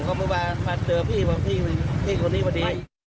เขาไม่มาเจอพี่เพราะว่าพี่เป็นพี่คนนี้พอดี